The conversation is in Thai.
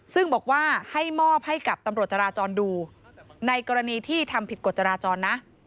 ซึ่งบอกว่าให้มอบให้กับตำรวจจราจรดูในกรณีที่ทำผิดกฎจราจรนะ